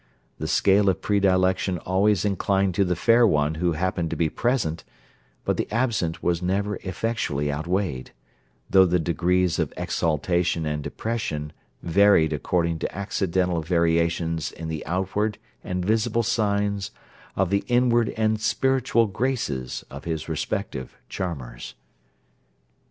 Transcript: The scale of predilection always inclined to the fair one who happened to be present; but the absent was never effectually outweighed, though the degrees of exaltation and depression varied according to accidental variations in the outward and visible signs of the inward and spiritual graces of his respective charmers.